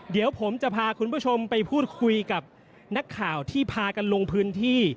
เดี๋ยวผมจะพาคุณผู้ชมไปพูดคุยกับนักข่าวที่พากันลงพื้นที่